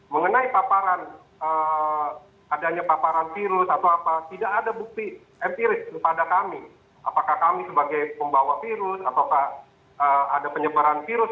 mengenai paparan adanya paparan virus atau apa tidak ada bukti empiris kepada kami apakah kami sebagai pembawa virus ataukah ada penyebaran virus